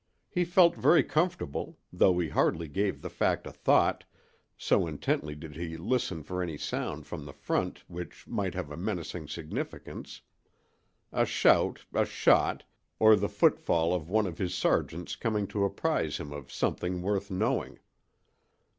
He felt very comfortable, though he hardly gave the fact a thought, so intently did he listen for any sound from the front which might have a menacing significance—a shout, a shot, or the footfall of one of his sergeants coming to apprise him of something worth knowing.